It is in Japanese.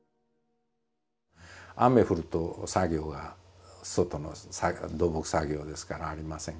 雨降ると作業が外の土木作業ですからありません